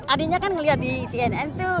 adinya kan melihat di cnn tuh